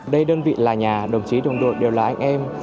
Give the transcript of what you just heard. đây đơn vị là nhà đồng chí đồng đội đều là anh em